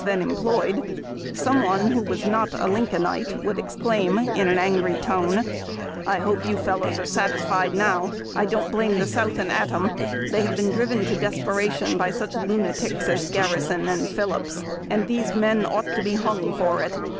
then employed, some one who was not a "Lincohiite" wouhl exchiim, in an angry tone ;" I hope you fellows are satisfied now. I don't blame the South an atom. They have been driven to desperation by such lunatics as Garri son and Phillips, and these men ought to be hung for it."